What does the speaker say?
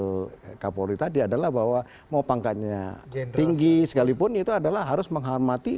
pak kapolri tadi adalah bahwa mau pangkatnya tinggi sekalipun itu adalah harus menghormati